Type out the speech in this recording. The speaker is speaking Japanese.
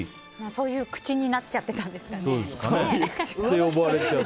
そういう口になっちゃってたんですかね。